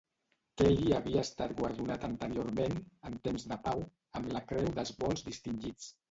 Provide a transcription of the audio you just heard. Kelly havia estat guardonat anteriorment, en temps de pau, amb la Creu dels Vols Distingits.